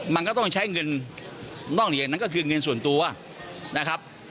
มันก็ต้องใช้เงินนอกเหรียญนั้นก็คือเงินส่วนตัวนะครับ